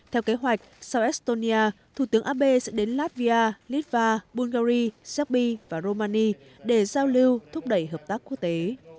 theo kế hoạch sau estonia thủ tướng ab sẽ đến latvia litva bulgaria serbia và romania để giao lưu thúc đẩy hợp tác quốc tế